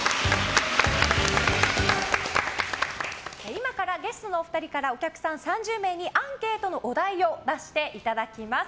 今から、ゲストのお二人からお客さん３０名にアンケートのお題を出していただきます。